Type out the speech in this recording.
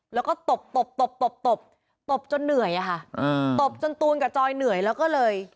แล้วก็ตบตบตบตบตบตบจนเหนื่อยอะค่ะตบจนตูนกับจอยเหนื่อยแล้วก็เลย